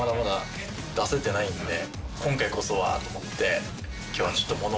今回こそはと思って今日は。